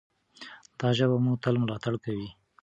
دا ژبه به مو تل ملاتړ کوي.